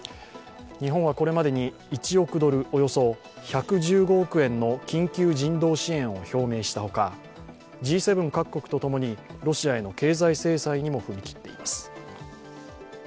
日本はこれまでに、１億ドル＝およそ１１５億円の緊急人道支援を表明した他、Ｇ７各国と共にロシアへの経済制裁にも踏み切っています。